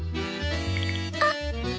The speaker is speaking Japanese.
あっ。